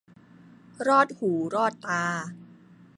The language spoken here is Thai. รอดหูรอดตา